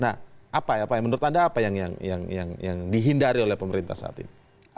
nah apa ya pak yang menurut anda apa yang dihindari oleh pemerintah saat ini